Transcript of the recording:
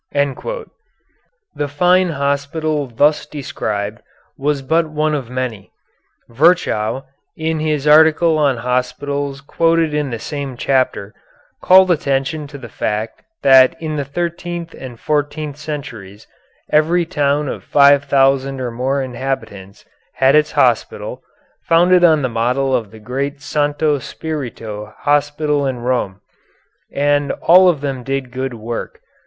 " The fine hospital thus described was but one of many. Virchow, in his article on hospitals quoted in the same chapter, called attention to the fact that in the thirteenth and fourteenth centuries every town of five thousand or more inhabitants had its hospital, founded on the model of the great Santo Spirito Hospital in Rome, and all of them did good work.